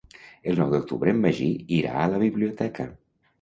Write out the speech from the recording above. El nou d'octubre en Magí irà a la biblioteca.